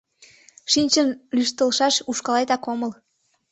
Шинчын лӱштылшаш ушкалетак омыл.